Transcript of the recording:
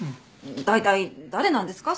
大体誰なんですか？